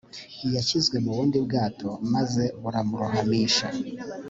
yashyizwe mu bundi bwato maze buramurohamisha